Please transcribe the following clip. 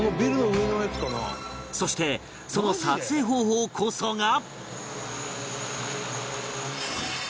そしてその撮影方法こそが